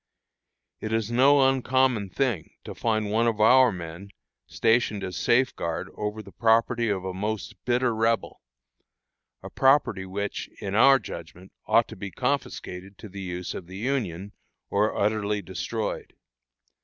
It is no uncommon thing to find one of our men stationed as safeguard over the property of a most bitter Rebel property which, in our judgment, ought to be confiscated to the use of the Union, or utterly destroyed.